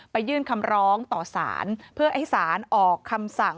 ยื่นคำร้องต่อสารเพื่อให้สารออกคำสั่ง